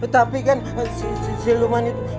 tapi kan si luma itu